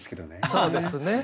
そうですね。